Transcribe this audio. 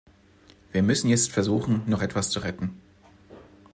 Wir müssen jetzt versuchen, noch etwas zu retten.